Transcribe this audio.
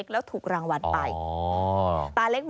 สวัสดีครับสวัสดีครับ